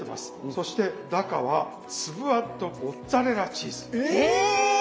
そして中はつぶあんとモッツァレラチーズ。え！